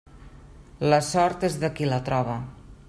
La sort és de qui la troba.